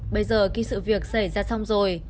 bây giờ khi sự việc xảy ra xong rồi